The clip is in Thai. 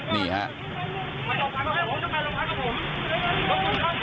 นี่ฮะ